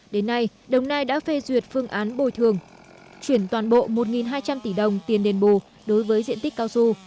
đến nay đồng nai đã phê duyệt phương án bồi thường chuyển toàn bộ một hai trăm linh tỷ đồng tiền đền bù đối với diện tích cao su